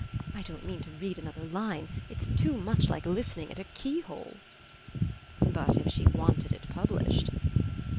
I don't mean to read another line; it's too much like listening at a keyhole." "But if she wanted it published?"